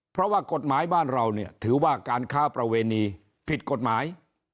เพราะว่ากฎหมายบ้านเราเนี่ยถือว่าการค้าประเวณีผิดกฎหมาย